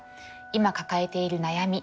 今抱えている悩み